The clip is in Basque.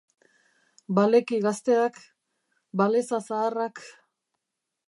Baleki gazteak, baleza zaharrak.